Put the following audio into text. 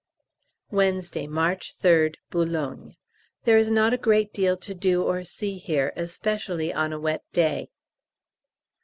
Wednesday, March 3rd, Boulogne. There is not a great deal to do or see here, especially on a wet day.